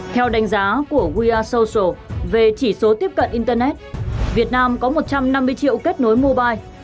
theo đánh giá của wear social về chỉ số tiếp cận internet việt nam có một trăm năm mươi triệu kết nối mobile